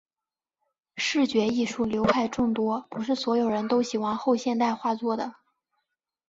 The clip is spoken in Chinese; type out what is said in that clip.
视觉艺术流派众多，不是所有人都喜欢后现代画作的。